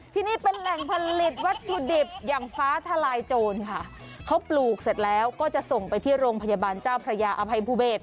ที่นี่เป็นแหล่งผลิตวัตถุดิบอย่างฟ้าทลายโจรค่ะเขาปลูกเสร็จแล้วก็จะส่งไปที่โรงพยาบาลเจ้าพระยาอภัยภูเบศ